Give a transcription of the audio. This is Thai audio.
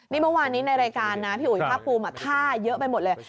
นี่เมื่อวานนี้ในรายการนะพี่อุ๋ยภาคภูมิท่าเยอะไปหมดเลย